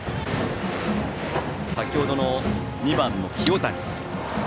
先程の２番の清谷。